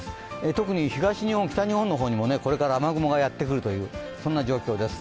特に東日本、北日本の方にもこれから雨雲がやってくるというそんな状況です。